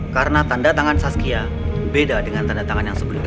karena tanda tangan saskia beda dengan tanda tangan yang sebelumnya